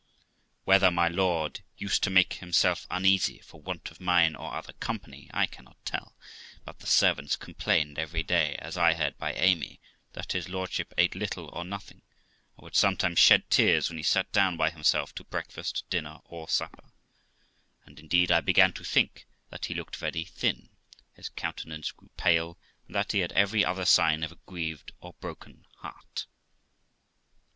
Whether my lord used to make himself uneasy for want of mine or other company, I cannot tell, but the servants complained every day, as I heard by Amy, that his lordship ate little or nothing, and would some times shed tears when he sat down by himself to breakfast, dinner, or supper; and, indeed, I began to think that he looked very thin, his countenance grew pale, and that he had every other sign of a grieved or broken heart.